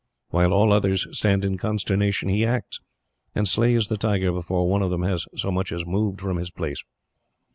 While all others stand in consternation, he acts, and slays the tiger before one of them has so much as moved from his place.